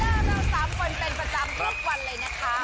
เริ่มเราสามคนเป็นประจำทุกวันเลยนะคะ